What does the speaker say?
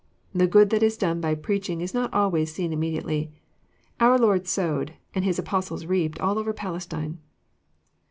The good that is done by preaching is not always seen immediately. Our Lord sowed, and His Apostles reaped all over Palestine.